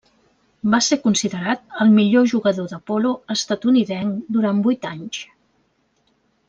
Va ser considerat el millor jugador de polo estatunidenc durant vuit anys.